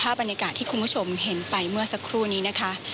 บรรยากาศที่คุณผู้ชมเห็นไปเมื่อสักครู่นี้นะคะ